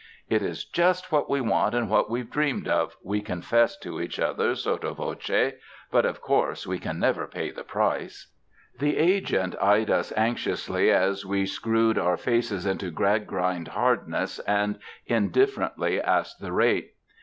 "It is just what we want and what we've dreamed of," we confessed to each other sotto voce, ''but of course we can never pay the price." The agent eyed us anxiously, as we screwed our faces into Gradgrind hardness and indifferently asked the rate.